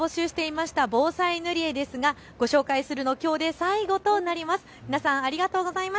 ６月から募集していました防災塗り絵ですがご紹介するのはきょうで最後となります。